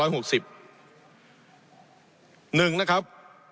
หนึ่งนะครับ